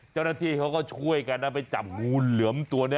เจ้าหน้าที่เขาก็ช่วยกันนะไปจับงูเหลือมตัวนี้